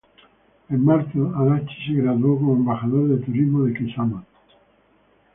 En marzo, Adachi se graduó como embajador de turismo de Kasama.